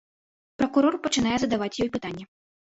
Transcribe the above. Пракурор пачынае задаваць ёй пытанні.